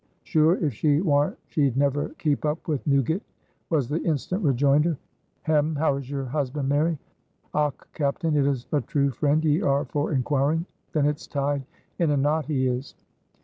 "Sure if she warn't she'd never keep up with Newgut," was the instant rejoinder. "Hem! how is your husband, Mary?" "Och, captain, it is a true friend ye are for inquiring. Then it's tied in a knot he is.